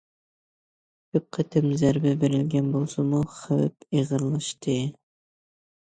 كۆپ قېتىم زەربە بېرىلگەن بولسىمۇ، خەۋپ ئېغىرلاشتى.